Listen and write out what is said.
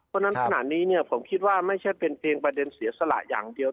เพราะฉะนั้นขนาดนี้ผมคิดว่าไม่ใช่เป็นเพียงประเด็นเสียสละอย่างเดียว